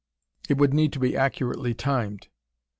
It would need to be accurately timed."